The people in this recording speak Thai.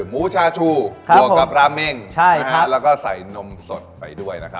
หมูชาชูบวกกับราเม่งแล้วก็ใส่นมสดไปด้วยนะครับ